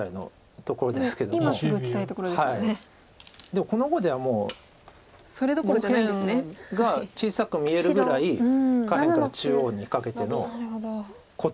でもこの碁ではもう右辺が小さく見えるぐらい下辺から中央にかけてのことが。